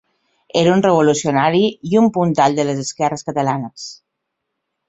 Era un revolucionari i un puntal de les esquerres catalanes.